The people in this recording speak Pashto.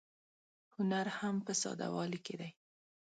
هنر هم په ساده والي کې دی.